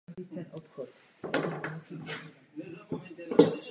Je to skutečně poněkud zarážející.